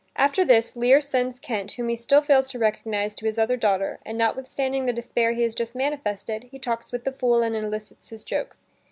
After this, Lear sends Kent, whom he still fails to recognize, to his other daughter, and notwithstanding the despair he has just manifested, he talks with the fool, and elicits his jokes.